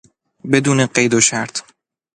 بدون قید و شرط